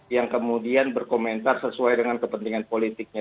yang kemudian berkomentar sesuai dengan kepentingan politiknya